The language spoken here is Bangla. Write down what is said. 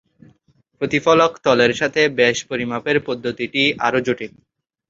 প্রতিফলক তলের সাথে ব্যাস পরিমাপের পদ্ধতিটি আরো জটিল।